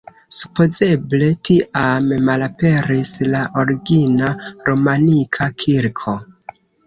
Supozeble tiam malaperis la origina romanika kirko.